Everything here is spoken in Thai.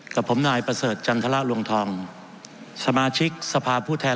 กับผมนายประเสริฐจันทรลวงทองสมาชิกสภาพผู้แทน